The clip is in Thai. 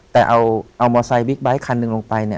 แต่เอามอไซค์วิกไบค์คันหนึ่งลงไป